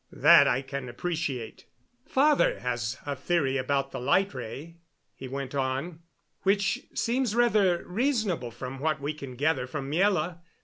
"That I can appreciate." "Father has a theory about the light ray," he went on, "which seems rather reasonable from what we can gather from Miela.